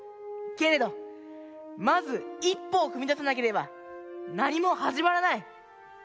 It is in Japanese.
けれどまず一歩をふみださなければなにもはじまらない。